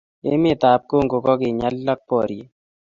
Emet ab congo ko kikinyalil ab boryet